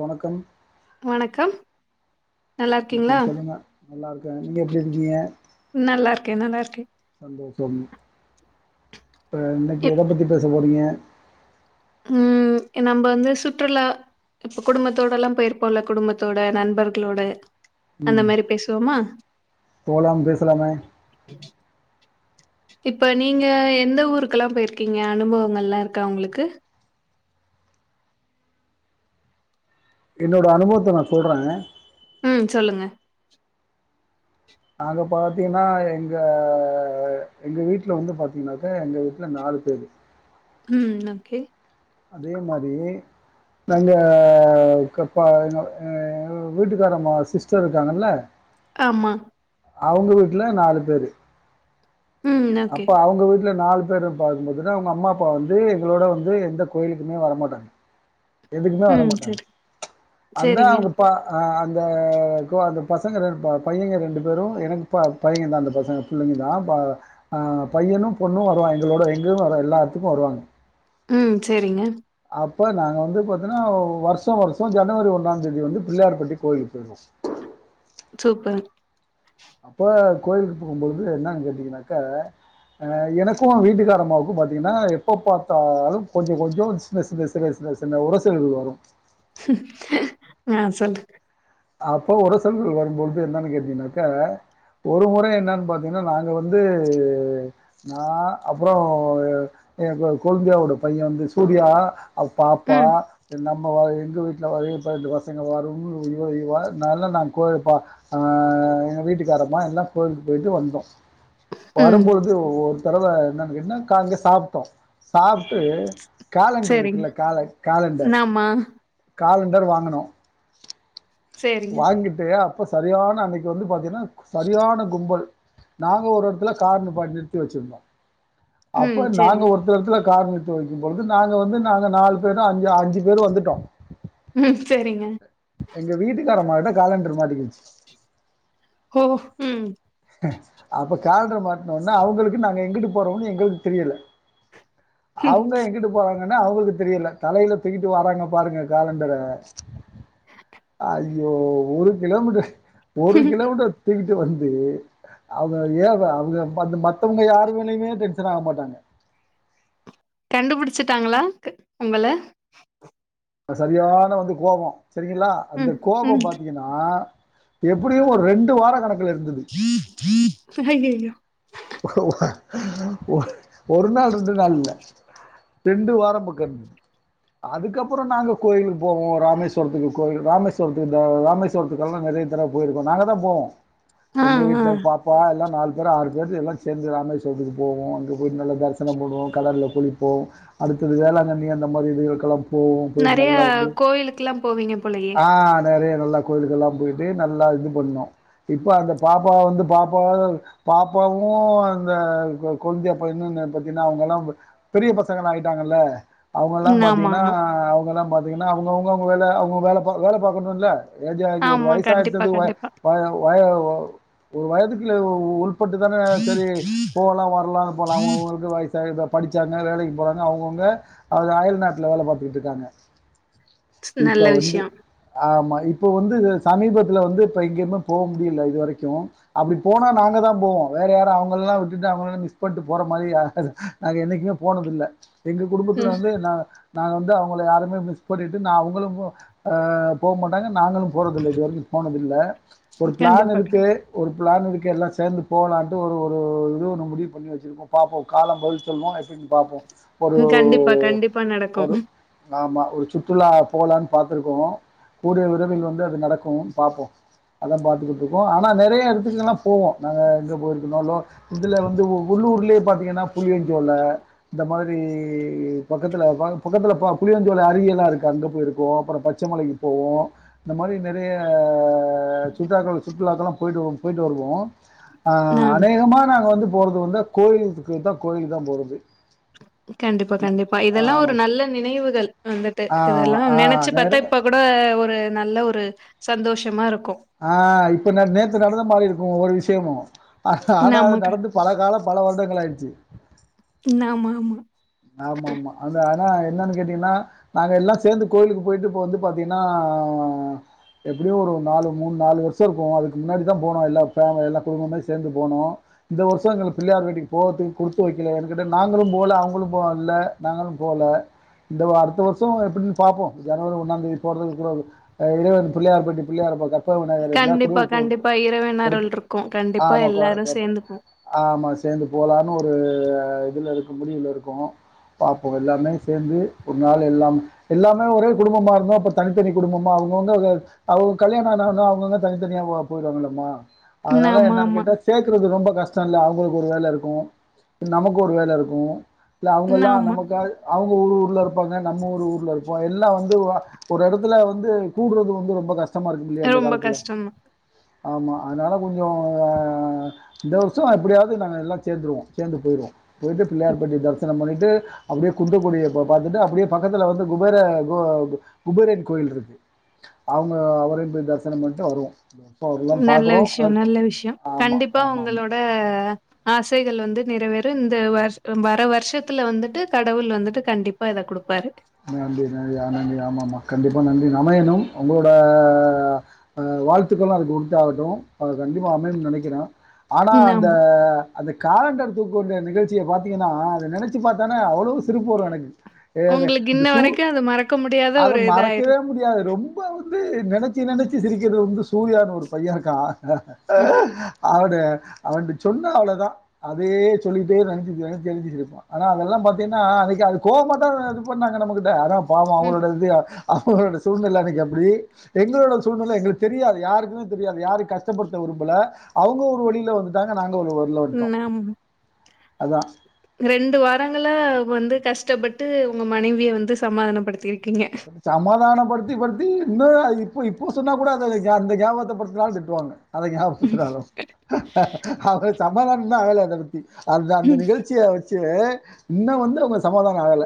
வணக்கம் வணக்கம் நல்லா இருக்கீங்களா வணக்கம் சொல்லுங்க நல்லா இருக்கேன் நீங்க எப்டி இருக்கீங்க நல்லா இருக்கேன் நல்லா இருக்கேன் சந்தோஷம் இப்ப இன்னைக்கு எத பத்தி பேச போறீங்க [inaudible] உம் நம்ம வந்து சுற்றுலா இப்ப குடும்பத்தோடலாம் போயிருப்போம்ல குடும்பத்தோட நண்பர்களோட அந்த உம் மாரி பேசுவோமா போலாம் பேசலாமே இப்ப நீங்க எந்த ஊருக்கேல்லாம் போயிருக்கீங்க அனுபவங்கள்ளாம் இருக்கா உங்களுக்கு என்னோட அனுபவத்த நா சொல்றங்க மேம் உம் சொல்லுங்க நாங்க பாத்தீங்கன்னா எங்க எங்க வீட்ல வந்து பாத்தீங்கன்னாக்கா எங்க வீட்ல நாலு பேரு ம் ஓகே அதே மாரி நாங்க கப்பா வீட்டுக்காரம்மா சிஸ்டர் இருக்காங்கல ஆமா அவங்க வீட்ல நாலு பேரு ம் ஓகே அப்ப அவங்க வீட் நாலு பேரு பாக்கும் போதுதா அவுங்க அம்மா அப்பா வந்து எங்களோட வந்து எந்த கோயிலுக்குமே வரமாட்டாம் எதுக்குமே ம் வரமாட்டாங்க சரி அதான் சரிங்க அவங்க பா அந்த கோ.. பசங்க ரெண் பையங்க ரெண்டு பேரும் எனக்கு ப பையங்கதா அந்த பசங் புள்ளைங்க தான் ஆ.. பையனும் பொண்ணும் வருவாங் எங்களோட எங்கும் வரும் எல்லாத்துக்கும் வருவாங்க ம் செரிங்க அப்ப நாங்க வந்து பாத்தன்னா வருஷம் வருஷம் ஜனவரி ஒன்னாந்தேதி வந்து பிள்ளையார்பட்டி கோயிலுக்கு போயிருவோ சூப்பர் அப்ப கோயிலுக்கு போகும்பொழுது என்னன்னு கேட்டீங்கன்னாக்கா ஆ எனக்கும் வீட்டுக்காரம்மாவுக்கும் பாத்தீங்கன்னா எப்ப பாத்தாலும் கொஞ்ச கொஞ்ச சின்ன சின்ன சின்ன சின்ன சின்ன உரசுகள் வரும் ஆ சொல்லு அப்போ உரசல்கள் வரும்பொழுது என்னன்னு கேட்டீங்கனாக்க ஒரு முறைஎன்னன்னு பாத்தீங்கன்னா நாங்க வந்து நான் அப்றம் என் கொழுந்தியாவோட பையன் வந்து சூர்யா அவ பாப்பா ம் என்ன எங்க வீட்ல வா ரெண்டு பசங்க வரும் இவா நல்ல நான் கோ பா ஆ.. எங்க வீட்டுக்காரமா எல்லா கோயிலுக்கு போயிட்டு வந்தோம் ம் வரும்பொழுது தரவ என்னு [unintelligible] சாப்ட்டோம் சாப்ட்டு கேலண்டர் சரிங்க இருக்குல்ல கால கேலண்டர் ஆமா காலண்டர் வாங்குணோ சரிங்க வாங்கிட்டு இப்ப சரியான அன்னக்கி வந்து பாத்தீங்கன்னா சரியான கும்பல் நாங்க ஒரு எடத்துல கார் நிப்பா நிறுத்தி வச்சிருந்தோம் ம் அப்ப நாங்க சரிங்க ஒருத்தடத்துல காரணித்து வக்கிம்போது நாங்க வந்து நாங்க நாலு பேரு அஞ்சு அஞ்சி பேரு வந்துட்டோ ம் சரிங்க எங்க வீடு ஏறமாட காலண்டுரு மாட்டிக்கிச் கோ ம் அப்போ கால்ற மாட்னோன்னா அவங்களுக்கு நாங்க எங்குட்டு போறோன்னு எங்கள்க்கு தெரியல அவுங்க இங்கிட்டு போறாங் நன்னு அவுங்களுக்கு தெரியல தலையில் தூக்கிட்டு வறாங்க பாருங்க காலண்டர ஐயோ ஒரு கிலோமீட்டு ஒரு கிலோமீட்ட தூகிட் டு வந்து அவுங்க ஏவ அவுங்க பந்து மத்தவுங்க யார் மேலயுமே டென்ஷன் ஆக மாட்டாங்க கண்டுபுடுச்சிட்டாங்களா உங்கள சரியான வந்து கோவொ செரிங்களா அந்த ம் கோபொ ம் பாத்தீங்கனா எப்புடியு ஒரு ரெண்டு வார கணக் ஹையய்யோ ஒ ஒரு நாள் ரெண்டு நாள் இல்ல ரெண்டு வாரம்புகன் அதுக்கப்புற நாங்க கோயிலுக்கு போவோ ராமேஸ்வரத்துக்கு கோயல் ராமேஸ்வரத்துக் இந்த ராமேஸ்வரத்துக்கெல்லா நறைய பெரா போயிருக்கோ நாங்கதா போவோ ஆ எங்க ஆ வீட்ல பாப்பா எல்லா நாலு இங்கதா ஆறு [unintelligible] இல்லாட்டி எல்லாம் சேர்ந்து ராமேஸ்வரத்துக்கு போவோம் அங்கே போய் நல்ல தரிசனம் போடுவோம் கடல்ல குளிப்போம் அடுத்தது வேளாங்கண்ணி அந்த மாதிரி இதுகளுக்கெல்லாம் போவோம் போயிட்டு நெறைய நல்லா வந்து கோயிலுக்குல்லா போவீங்க போலயே ஆ நெறையா நல்லா கோயிலுக்கெல்லாம் போயிட்டு நல்லா இது பண்ணோம் இப்ப அந்த பாப்பா வந்து பாப்பாவ பாப்பா பாப்பாவும் அந்த கொழுந்தியா பயனும் என்னென்னு பாத்தீங்கன்னா அவங்க எல்லாம் பெரிய பசங்களா ஆயிட்டாங்கல்ல அவுங்க எல்லாம் ம் ஆமா பாத்தீங்கன்னா ஆமா அவங்கெலாம் பாத்தீங்கன்னா அவுங்க அவுங்க வேலை அவுங்க வேலை வேலை பாக்கணுமில்ல ஏஜ் ஆயிருச்சு ஒரு ஆமா கண்டிப்பா வயசாயிருச்சுது கண்டிப்பா வாயா வய [unintelligible] ஒரு வயதுக்குள்ள இது ஒரு உ பட்டு தானே சரி போகலாம் வரலாம்னு போலம் உங்களுக்கும் வயசாகது படிச்சாங்க வேலைக்கு போறாங்க அவங்கவுங்க அவுங்க அயல் நாட்டுல வேலை பாத்துகிட்டு இருக்காங்க நல்ல இப்ப வந்து விஷயம் ஆமா இப்போ வந்து சமீபத்தில வந்து இப்ப எங்கேயுமே போக முடியல இது வரைக்கும் அப்படி போனா நாங்க தான் போவோம் வேற யாரும் அவங்கெல்லாம் விட்டுட்டு அவங்கெல்லாம் மிஸ் பண்ணிட்டு போற மாதிரி யாரு நாங்க என்னைக்குமே போனதில்லை எங்க குடும்பத்துல ம் வந்து நான் நாங்க வந்து அவங்கள யாருமே மிஸ் பண்ணிட்டு நான் அவங்களும் அ போக மாட்டாங்க நாங்களும் போறதில்ல இதுவரைக்கும் போனதில்ல ஒரு பிளான் கண்டிப்பா கண் இருக்கு ஒரு பிளான் இருக்கு எல்லா சேந்து போலான்ட்டு ஒரு ஒரு இது ஒன்னு முடிவு பண்ணி வச்சுருக்கோ பாப்போ காலம் பதில் சொல்லு எப்படின் பாப்போ உம் கண்டிப்பா கண்டிப்பா நடக்கும் ஆமா ஒரு சுற்றுலா போலனு பார்த்துருக்கோ கூடிய விறவில் வந்து அது நடக்கு பார்ப்போ அதா பார்த்துக்கிட்டுருக்கோ ஆனா நிறைய இடத்துக்கலா போவோ நாங்க அங்க போய் இருக்கனாலு இதுல வந்து உள்ளுர்லியே பாத்திங்கன்னா புளியஞ்சசோல இந்த மாரி பக்கத்துல பக்கத்துல புளியஞ்சோல அருவி எல்லா இருக்கு அங்க போயிருக்கோ அப்ரோ பச்சைமலைக்கு போவோ இந்த மாரி நறைய ஆஹ் சுற்றுளாக்கள சுற்றுலாக்கள போய்ட்டு வருவோ, போய்ட்டு வருவோ. ஆ ஆஹ் அநேகமா நாங்க வந்து போறது வந்து கோயிலுக்கு தா, கோயில தா போறது. கண்டிப்பா, கண்டிப்பா. இதெல்லா ஆமா ஒரு கு- நல்ல நினைவுகள் வந்துட்டு ஆஹ் இதெல்லா ஆஹ் நெனைச்சு பாத்தா நிறைய இப்ப கூட ஒரு ஒரு நல்ல ஒரு சந்தோஷமா இருக்க ஆஹ் இப்ப நே நேத்து நடந்த மாரி இருக்கு. ஒவ்வொரு விசயமு ஆஹ் ஆனா அது ஆமா நடந்து பல காலோ, பல வருடங்கள் ஆயிடுச்சி. ஆமா ஆமா ஆமா ஆமா அந்த ஆஹ் என்னனு கேட்டீங்னா நாங்க எல்லா சேந்து கோயிலுக்கு போயிட்டு இப்ப வந்து பாத்திங்னா ஆஹ் எப்டியு ஒரு நாலு, மூணு, நாலு வருஷோ இருக்கு. அதுக்கு முன்னாடி தா போனோ எல்லா ஃபேமிலி எல்லா குடும்பமே சேந்து போனோ. இந்த வருஷோ எங்களுக்கு பிள்ளையார்பட்டிக்கு போகதுக்கு குடுத்து வக்கல. கிட்டத்தட்ட நாங்களு போகல அவங்களும் போ போவோ ல்ல நாங்களு போல. இந்த அடுத்த வருஷோ எப்டினு பாப்போ ஜனவரி ஒண்ணாந் தேதி போறதுக்கு கூட இறைவன் பிள்ளையார்பட்டி பிள்ளையார பாக்க கண்டிப்பா, கண்டிப்பா இரவு கொடு- நெரல் இருக்கு. கண்டிப்பா எல்லாரு சேந்து போவோ. சேந்து போலான்னு ஒரு ஹ் இதில இருக்கு முடிவுல இருக்கு. போ, பாப்போ எல்லாருமே சேர்ந்து ஒரு நாள் எல்லா எல்லாமே ஒரே குடும்பம்மா இருந்தோ. இப்ப தனித்தனி குடும்பம்மா அவங்கவுங்க அவங்க கல்யாண ஆ அவங்கவங்க தனித்தனியா போய்ருவாங்க இல்லம்மா. அதனால ஆமா என்னனு ஆமா கேட்டா சேக்கறது ரொம்ப கஷ்ட் சன்ல அவங்களுக்கு ஒரு வேல இருக்கு. நமக்கு ஒரு வேல இருக்கு. இல்ல அவங்கல்லா ஆமா நமக்காது அவங்க ஊர் ஊர்ல இருப்பாங்க. நம்ம ஒரு ஊர்ல இருப்போ. எல்லா வந்து ஆஹ் ஒரு எடத்துல வந்து கூடுறது வந்து ரொம்ப கஷ்ட. ஷ்டமா இருக்கு இல்லையா இந்த ரொம்ப காலத்துல. கஷ்டம்தான் ஆமா, அதனால கொஞ்சோ ஆஹ் இந்த வருஷோ எப்டியாவது நாங்க எல்லா சேந்துருவோ. சேந்து போய்ருவோ. போய்ட்டு பிள்ளையார்பட்டி பஸ் தர்சனம் பண்ணிட்டு அப்டியே குன்றக்குடிய பா-பாத்துட்டு, அப்டியே பக்கத்துல வந்து குபேர கோ-குபேரன் கோயில் இருக்கு. அவங்க அவரயும் போய் தரிசனம் பண்ணிட்டு வருவோ. வரலான்னு நல்ல பாக்குறோ விஷ்யோ, நல்ல விஷ்யோ. ஆமா கண்டிப்பா ஆமா ஆமா ஒங்களோட ஆசைகள் வந்து நிறைவேற. இந்த வருஷ வர வருஷத்துல வந்துட்டு கடவுள் வந்துட்டு கண்டிப்பா இத குடுப்பாரு. நன்றி நன்றி ஆஹ் நன்றி ஆமா ஆமா கண்டிப்பா நன்றி அமையணும். உங்களோட அஹ் அஹ் வாழ்த்துக்கள்ளும் அதுக்கு உரித்தாகட்டும் கண்டிப்பா அமையணும்னு நெனைக்ற. ஆனா ம் அந்த, ஆமா அந்த காலண்டர் தூக்கு வந்து நிகழ்ச்சிய பாத்தீங்கன்னா அத நெனச்சி பாத்தானே அவ்வளவு சிரிப்பு வரும் எனக்கு. ஏது உங்களுக்கு இன்ன வரைக்கு அது மறக்க முடியாத ஒரு இதாயிரு இப்ப வந்து நெனச்சி நெனச்சி சிரிக்கிறது வந்து சூர்யான்னு ஒரு பைய இருக்கா. ம் ஆஹ்ஹ அவட அவன்ட சொன்னா அவ்ளதா. அதே சொல்லிட்டே நெனைச்சி நெனச்சி தெரிஞ்சட்டு இருப்பான். ஆனா அதெல்லா பாத்தீங்ன்னா அன்னக்கி அது கோவமாத்தா புக் பண்ணாங்க நம்மக்கிட்ட அதா பாவம் ம் அவங்களோட இது அ அவங்களோட சூழ்நெலை அன்னக்கி அப்டி. எங்களோட சூழ்நெலை எங்களுக்கு தெரியாது, யாருக்குமே தெரியாது யாரு கஷ்டப்படுத்த விரும்பல. அவுங்க ஒரு வழில வந்துட்டாங்க, நாங்க ங்க ஒரு வழில வன்டோம் ம் அதான் ரெண்டு வாரங்கள்ள வந்து கஷ்டப்பட்டு உங்க மனைவிய வந்து சமாதானப்படுத்தி சமாதானம் படுத்தி படுத்தி இன்னு இப்ப இப்போ சொன்னா கூட அத அந்த கேபத்த படுத்தினா கூட திட்டுவாங்க அத ஞாபகபடுத்துனாலும் அவ சம் சமாதானம் தான் ஆகல அத பத்தி அத்தா அந்த நிகழ்ச்சிய வச் சு இன்னு வந்து அவுங்க சமாதானம் ஆகல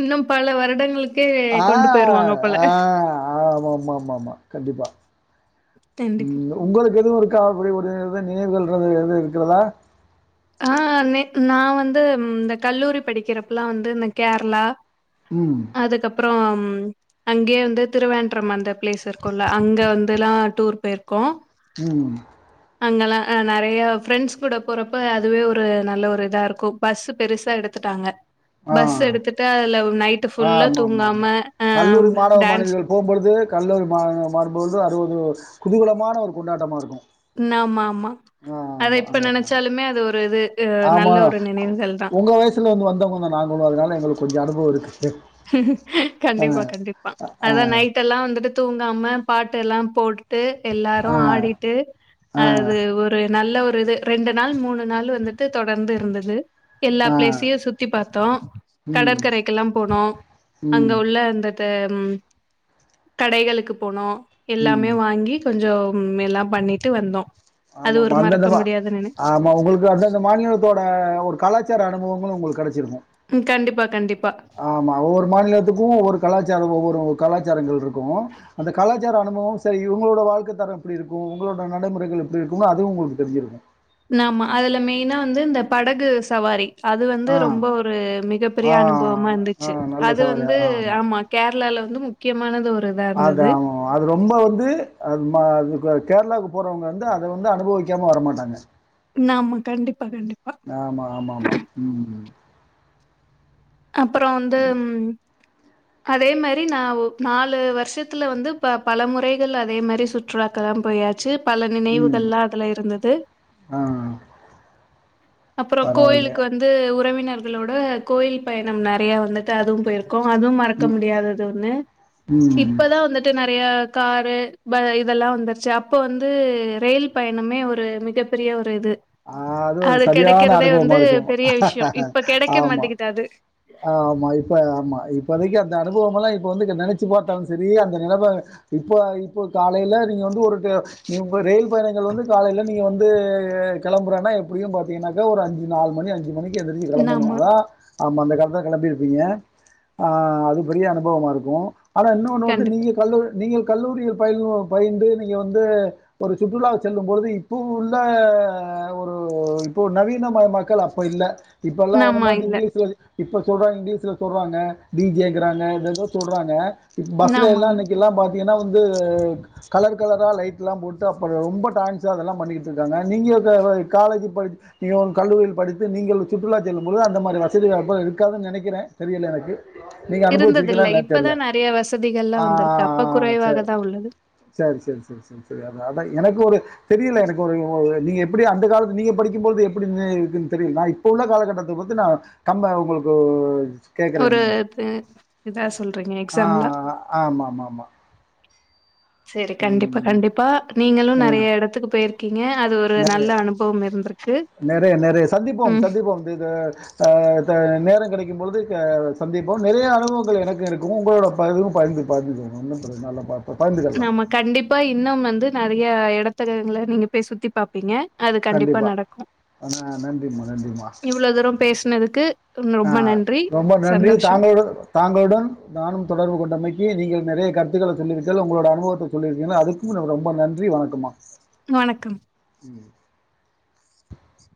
இன்னும் பல வருடங்களுக் ஆஹ் ஆஹ் ஆமாமாமாமா கண்டிப்பா கண்டிப்பா. உம் உங்களுக்கு எதுவு இரு கா அப்டி ஒரு இது நினைவுகள்ன்றது எதும் இருக்கிறதா ஆ நே நா வந்து இந்த கல்லூரி படிக்கிறப்பல்லாம் வந்து இந்த கேரளா ம், அதுக்கப்புறம் ம் அங்கேயே வந்து திருவேண்டரம் அந்த பிளேஸ் இருக்குல அங்க வந்துல்லா டூர் போயிருக்கோ உம் அங்கெல்லா நெறைய ஃப்ரெண்ட்ஸ் கூட போறப்ப அதுவே ஒரு நல்ல ஒரு இதா இருக்கும் பஸ்ஸு பெருசா எடுத்துட்டாங்க பஸ் எடுத்துட்டு அதுல நைட் ஆஹ் ஆமாமாமா கல்லூரி மாணவ டான்ஸ் மாணவிகள் போகும்பொழுது கல்லூரி மாணவ மாற்பொழுது அது ஒரு குதுகலமான ஒரு கொண்டாட்டமா இருக்கு ஆமா ஆமா ஆ அத ஆமா இப்ப ஆமா நெனைச்சாலுமே அது ஒரு இது அ ஆமா நல்ல ஒரு நினைவுகள் தா உங்க வயசுலந்து வந்தவங்க தா நாங்களு அதுனால எங்களுக்கு கொஞ்ச அனுபவம் இருக்கு ஆ. கண்டிப்பா கண்டிப்பா அ ஆ அதா நைட் எல்லாம் வந்துட்டு தூங்காம பாட்டு எல்லாம் போட் டு எல்லாரு ஆ ஆடிட்டு ஆ அது ஒரு நல்ல ஒ து ரெண்டு நாள் மூணு நாள் வந்துட்டு தொடர்ந்து இருந்தது எல்லா ஆ. பிளேஸையு சுத்தி பாத்தோம் ம், கடற்கரைக்கெல்லாம் போனோ அங்க ம், உள்ள அந்த த ம் கடைகளுக்கு போனோம் எல்லாமே ம். வாங்கி கொஞ்சோ உம் எல்லா பண்ணிட்டு வந்தோ ஆமாமாம அந்தந்தமா ஆமா உங்களுக்கு அந்தந்த மாநிலத்தோட ஒரு கலாச்சார அனுபவங்களு உங்களுக் இருக்கூ ம் கண்டிப்பா, கண்டிப்பா. ஆமா ஒவ்வொரு மாநிலத்துக்கு ஒவ்வொரு கலாச்சாரோ ஒவ்வொரு கலாச்சாரங்கள் இருக்கோ அந்த கலாச்சார அனுபவோ சேரி இவுங்களோட வாழ்க தரோ எப்டி இருக்கோ உங்களோட நடைமுறைகள் இருக்குமோ அதுவு உங்களுக்கு தெரிஞ்சிருக்கோ மா அதுல மெயினா வந்து இந்த படகு சவாரி அது வந்து ஆ ரொம்ப ஒரு மிகப்பெரிய ஆ அனுபவமா இருந்துச்சு ஆ நல்ல அது சவாரி வந்து ஆமா கேரளால இன்னு முக்கியமானது ஒன்னு அத்தா ஆமாம்மா அது ரொம்ப வந்து [unintelligible] கேரளாவுக்கு போறவங்க வந்து அத வந்து அனுபவிக்காம வரமாட்டாங்க ஆமா. கண்டிப்பா, கண்டிப்பா. ஆமா ஆமா ஆமா உம் அப்புறோ வந்து ம் அதே மாரி நா ஒ நாலு வருஷத்துல வந்து பல முறைகள் அதே மாரி சுற்றுலாக்கலாம் போயாச்சி பல ம் நினைவுகள்லா அதுல இருந்தது ஆ அப்றோ பரவால்லையே கோயிலுக்கு வந்து உறவி உறவினர்களோட கோயில் பயணம் நெறைய வந்துட்டு அதுவும் போயிருக்கோ அதுவும் இருக்க முடியாதது ஒண்ணு ம் ம் இப்பதா வந்துட்டு நெறைய காரு பைய் இதெல்லா வந்துருச்சு அப்போ வந்து ரயில் பயணமே ஒரு மிகப்பெரிய ஒரு இது ஆ ஒரு அது சரியான கிடைக்கறதே அனுபவமா வந்து இருக்கும். பெரிய விஷயோ இப்ப கெடைக்க ஆமா, மாட்டேங்குது அது ஆமா இப்ப ஆமா இப்பதைக்கு அந்த அனுபவமெல்லா இப்ப வந்து நெனைச்சு பாத்தாலு சேரி அந்த நிலம இப்ப இப்ப காலையில நீங்க வந்து ஒரு ரயில் பயணங்கள் வந்து காலையில நீங்க வந்து கிளம்புறோன்னா எப்டியு பாத்தீங்கன்னாக்கா ஒரு அஞ்சு நாலு மணி அஞ்சு மணிக்கு எந்திரிச்சி கிளம்புனா ஆமா தா ஆமா அந்த காலத்துல கிளம்பி யிருப்பீங்க அது பெரிய அனுபவமா இருக்கோ ஆனா இன்னொன்னு வந்து கண்டிப்பா நீங்க கல்ல நீங்க கல்லூரிகள் பயிலு பயின்று நீங்க வந்து ஒரு சுற்றுலா செல்லும் பொழுது இப்போ உள்ள ஆ ஒரு இப்போ நவீனமயமாக்கள் அப்ப இல்ல இப்பெல்லா ஆமா என்னமோ இல்ல [unintelligible] இப்ப சொல்றாங் இங்கிலீஸ்ல சொல்றாங்க டி ஜே ங்கறாங்க ஏதேதோ சொல்றாங்க பஸ்ல ஆமா எல்லா ஆமா இன்னைக்கெல்லா பா இங்கனா வந்து கலர் கலரா லைட்லா போட்டு அப்பற ரொம்ப டான்ஸ் அதெல்லா பண்ணிட்டு இருந்தாங்க. நீங்க த அ காலேஜு ப நீங்க ஒரு கல்லூரியில் படித்து நீங்கள் சுற்றுலா செல்லும் பொழுது அந்த மாரி வசதி சரி அப்பற இருக்காதுன் நெனைக்கறே தெரில எனக்கு நீங்க அனுபவிச்சிருக்கீங்களா இருந்ததில்ல என்னன்னு இப்பதா தெரியல நெறைய வசதிகள்லா ஆ வந்திருக்கு அப்ப சரி குறைவாக தா உள்ளது சரி சரி சரி சரி சரி அதா அதா எனக்கு ஒரு தெரியல எனக்கு ஒரு [unintelligible] நீங்க எப்பிடி அந்த காலத்து பி ஏ படிக்கும்போழ்து எப்டி [unintelligible] இருக்குன் தெரில நா இப்ப உள்ள காலகட்டத்துக் வந்து நா கம்பே உங்களுக்கு கேட்கறேன் ஒரு இது இதா சொல்றிங்க ஆஹ் ஆ ஆமா ஆமா ஆமா செரி கண்டிப்பா கண்டிப்பா நீங்களு நெறைய எடத்துக்கு போயிருக் நெறைய நெறைய நெறைய சந்திப்போம் ம் சந்திப்போம் இது ஆ த நேரங் கெடைக்கு க் பொழுது ஹா ஹாவ் சந்திப்போ நெறைய அனுபவங்கள் எனக்கூ இருக்கோ உங்களோட. [unintelligible] நாம கண்டிப்பா இன்னம் வந்து. நறைய எடத்தகங்கள நீங்க பேய் சுத்திப்பாப்பீங்க. அது கண்டிப்பா நடக்கத ஆஹ், நன்றிம்மா இவ்ளோ தூரோ பேசுனதுக்கு. ஆ ரொம்ப நன்றி. ரொம்ப நன்றி சந்தோஷம். தாங்களுடன் தாங்களுடன் நானும் தொடர்பு கொண்டமைக்கி நீங்கள். நெறைய கருத்துக்கல சொல்லிருக்கைல உங்களோட அனுபவத்த சொல்லிருக்கீங்கல அதுக்கும் ரொம்ப நன்றி வணக்கம்மா. வணக்கம். ம்